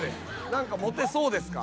何か持てそうですか？